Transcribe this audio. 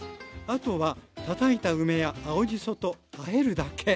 あとはたたいた梅や青じそとあえるだけ。